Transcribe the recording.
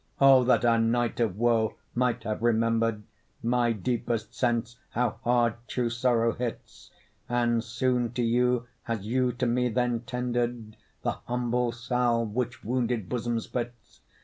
O! that our night of woe might have remember'd My deepest sense, how hard true sorrow hits, And soon to you, as you to me, then tender'd The humble salve, which wounded bosoms fits!